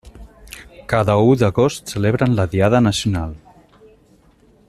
Cada u d'agost celebren la diada nacional.